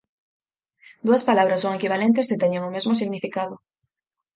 Dúas palabras son equivalentes se teñen o mesmo significado.